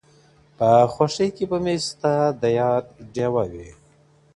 په خوښۍ کي به مي ستا د ياد ډېوه وي~